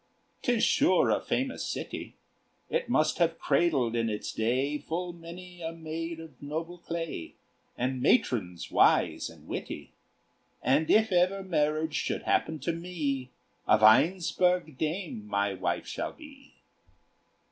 'Tis sure a famous city: It must have cradled, in its day, Full many a maid of noble clay. And matrons wise and witty; And if ever marriage should happen to me, A Weinsberg dame my wife shall be.